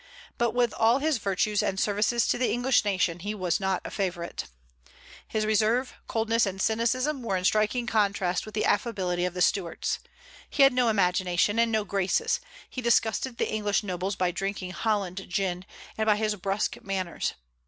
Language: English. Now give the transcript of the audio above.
But with all his virtues and services to the English nation, he was not a favorite. His reserve, coldness, and cynicism were in striking contrast with the affability of the Stuarts. He had no imagination and no graces; he disgusted the English nobles by drinking Holland gin, and by his brusque manners.